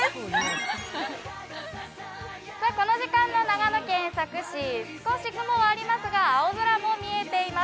皆さん、この時間の長野県佐久市、少し雲はありますが、青空も見えています。